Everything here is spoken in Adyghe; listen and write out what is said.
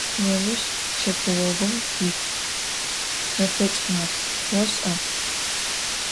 Nêuş ççepıoğum yitf, mefeç' maf, voş'a?